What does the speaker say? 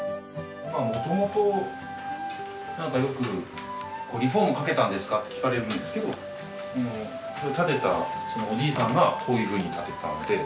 まあ元々なんかよくリフォームかけたんですか？って聞かれるんですけど建てたおじいさんがこういうふうに建てたので。